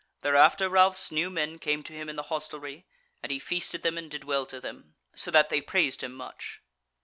Thereafter Ralph's new men came to him in the hostelry, and he feasted them and did well to them, so that they praised him much.